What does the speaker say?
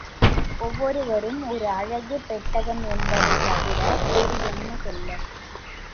ஒவ்வொருவரும் ஒரு அழகுப் பெட்டகம் என்பதைத் தவிர வேறு என்ன சொல்ல?